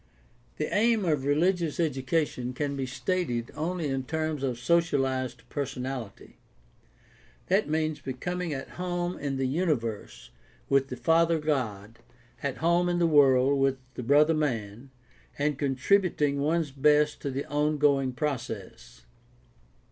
— The aim of religious education can be stated only in terms of socialized personahty. That means becoming at home in the imiverse with the Father God, at home in the world with the brother man, and contributing one's best to the ongoing process.